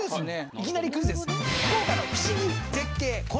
いきなりクイズです！